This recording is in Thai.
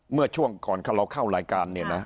เมื่อช่วงก่อนเราเข้ารายการเนี่ยนะ